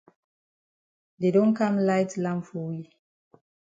Dey don kam light lamp for we.